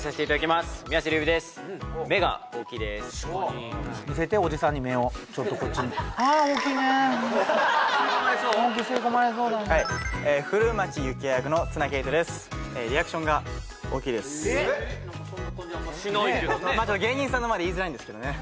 まあちょっと芸人さんの前で言いづらいんですけどね